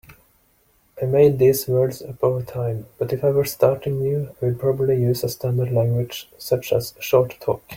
I made these words up over time, but if I were starting new I would probably use a standard language such as Short Talk.